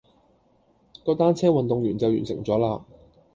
個單車運動員就完成咗啦